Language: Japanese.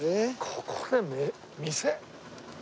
ここで店？